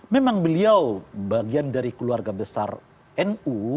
memang beliau bagian dari keluarga besar nu